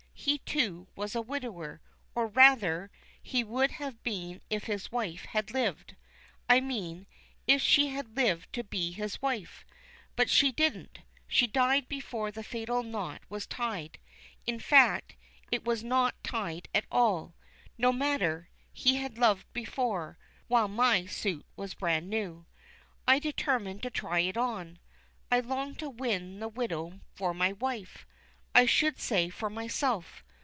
He, too, was a widower, or rather, he would have been if his wife had lived. I mean, if she had lived to be his wife. But she didn't. She died before the fatal knot was tied; in fact, it was not tied at all. No matter, he had loved before, while my suit was brand new. I determined to try it on. I longed to win the widow for my wife I should say for myself.